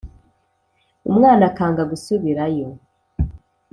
umwana akanga gusubirayo,